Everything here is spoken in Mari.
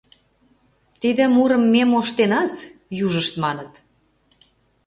— Тиде мурым ме моштенас, — южышт маныт.